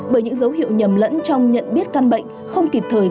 bởi những dấu hiệu nhầm lẫn trong nhận biết căn bệnh không kịp thời